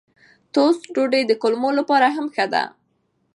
ټوسټ ډوډۍ د کولمو لپاره هم ښه ده.